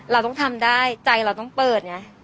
เราต้องทำได้ใจเราต้องเปิดไง